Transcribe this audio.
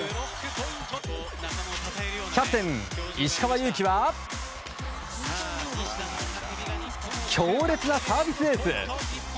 キャプテンの石川祐希は強烈なサービスエース！